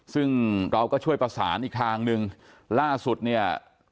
ซึ่งเราก็ช่วยประสานอีกทางหนึ่งล่าสุดเนี่ย